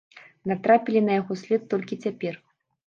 Натрапілі на яго след толькі цяпер.